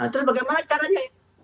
terus bagaimana caranya